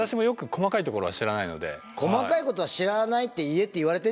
「細かいことは知らないって言え」って言われてるんじゃないですか？